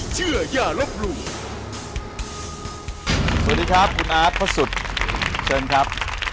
สวัสดีครับคุณอาร์ตพระสุทธิ์เชิญครับ